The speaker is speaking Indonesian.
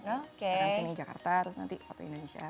misalkan sini jakarta terus nanti satu indonesia satu asia